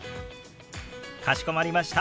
かしこまりました。